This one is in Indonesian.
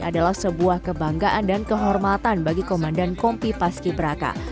adalah sebuah kebanggaan dan kehormatan bagi komandan kompi paski braka